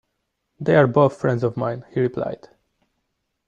"They are both friends of mine," he replied.